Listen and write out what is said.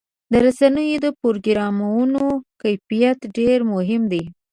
د رسنیو د پروګرامونو کیفیت ډېر مهم دی.